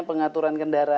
pengaturan yang diperlukan